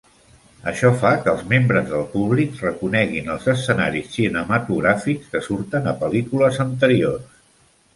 Això fa que els membres del públic reconeguin els escenaris cinematogràfics que surten a pel·lícules anteriors.